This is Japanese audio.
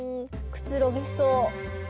くつろげそう。